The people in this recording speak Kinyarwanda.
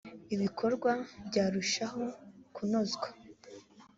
ibikorwa byarushaho kunozwa